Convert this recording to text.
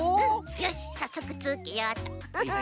よしさっそくつけよっとウフフ。